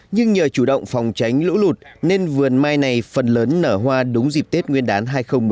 nhưng nhờ chủ động phòng tránh lũ lụt nên vườn mai này phần lớn nở hoa đúng dịp tết nguyên đán hai nghìn một mươi chín